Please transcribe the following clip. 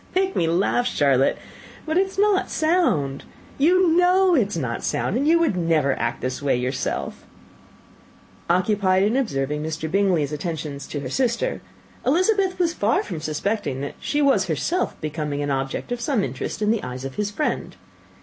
"You make me laugh, Charlotte; but it is not sound. You know it is not sound, and that you would never act in this way yourself." Occupied in observing Mr. Bingley's attention to her sister, Elizabeth was far from suspecting that she was herself becoming an object of some interest in the eyes of his friend.